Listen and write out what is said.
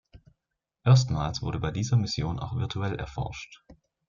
Erstmals wurde bei dieser Mission auch virtuell erforscht.